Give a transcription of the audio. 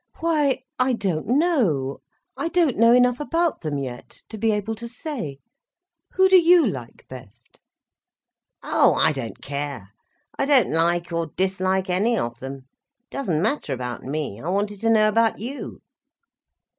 "Why I don't know, I don't know enough about them yet, to be able to say. Who do you like best?" "Oh, I don't care—I don't like or dislike any of them. It doesn't matter about me. I wanted to know about you."